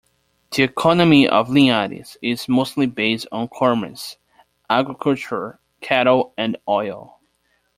The economy of Linhares is mostly based on commerce, agriculture, cattle and oil.